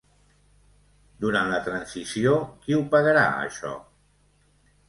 Durant la transició, qui ho pagarà, això?